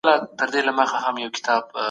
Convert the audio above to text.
چا تر خولې را بادوله